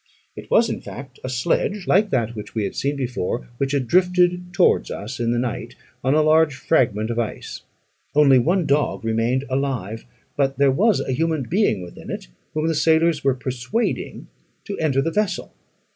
It was, in fact, a sledge, like that we had seen before, which had drifted towards us in the night, on a large fragment of ice. Only one dog remained alive; but there was a human being within it, whom the sailors were persuading to enter the vessel.